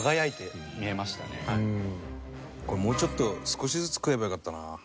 これもうちょっと少しずつ食えばよかったな。